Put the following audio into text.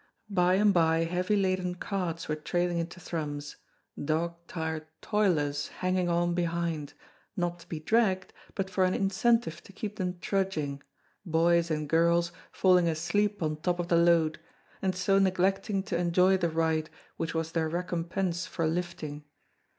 By and by heavy laden carts were trailing into Thrums, dog tired toilers hanging on behind, not to be dragged, but for an incentive to keep them trudging, boys and girls falling asleep on top of the load, and so neglecting to enjoy the ride which was their recompense for lifting.